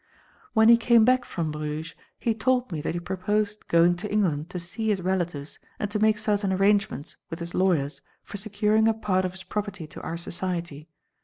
"When he came back from Bruges, he told me that he purposed going to England to see his relatives and to make certain arrangements with his lawyers for securing a part of his property to our Society.